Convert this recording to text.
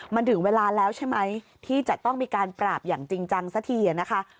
มันถึงเวลาแล้วใช่ไหมที่จะต้องมีการปราบอย่างจริงจังสักทีนะคะ